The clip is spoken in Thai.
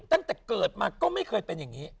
ตั้งแต่เกิดมาก็ไม่เคยเป็นอย่างนี้